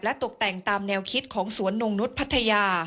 ตกแต่งตามแนวคิดของสวนนงนุษย์พัทยา